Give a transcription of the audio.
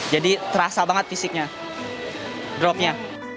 jadi terasa banget fisiknya dropnya